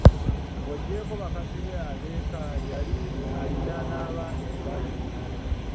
Ng'oggyeko bakazi be ab'eka, yali alina n'abaana ebbali.